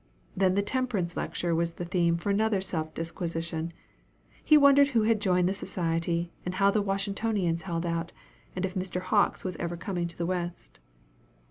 Then the temperance lecture was the theme for another self disquisition. He wondered who had joined the society, and how the Washingtonians held out, and if Mr. Hawkins was ever coming to the West.